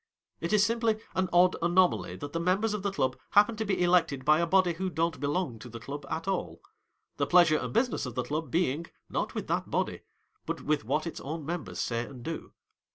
It is simply an odd anomaly that the members of the Club happen to be elected by a body who don't belong to the Club at all ; the pleasure and business of the Club being, not with that body, but with what its own members say and do.